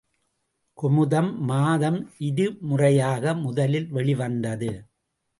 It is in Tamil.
குமுதம் மாதம் இருமுறையாக முதலில் வெளிவந்தது.